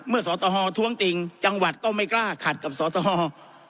เมื่อสวทธิฮอลท้วงติงจังหวัดก็ไม่กล้าขัดกับสวทธิฮอล